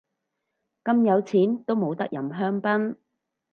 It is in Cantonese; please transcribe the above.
咁有錢都冇得飲香檳